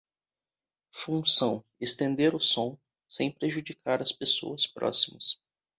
Função: estender o som, sem prejudicar as pessoas próximas.